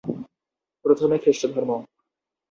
প্রথমে খ্রিষ্টধর্ম।